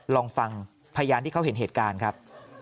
ลองฟังพยานที่เขาเห็นเหตุการณ์ครับ